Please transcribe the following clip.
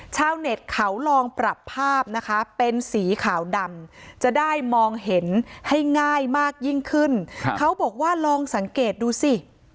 ชาวเน็ตเขาลองปรับภาพนะคะเป็นสีขาวดำจะได้มองเห็นให้ง่ายมากยิ่งขึ้นเขาบอกว่าลองสังเกตดูสิ